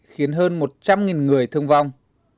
khiến hơn một trăm linh người thương vong